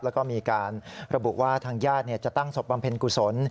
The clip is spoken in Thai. แล้วก็มีการระบุว่าทางญาติจะตั้งศพบำเพ็ญกุศล